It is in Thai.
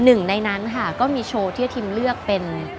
หนึ่งในนั้นค่ะก็มีโชว์ที่ทีมเลือกเป็น